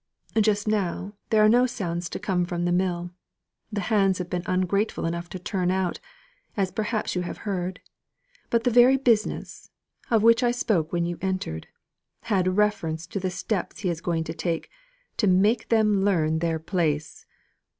Just now, there are no sounds to come from the mill; the hands have been ungrateful enough to turn out, as perhaps you have heard. But the very business (of which I spoke when you entered), had reference to the steps he is going to take to make them learn their place."